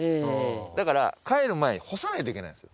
だから帰る前に干さないといけないんですよ。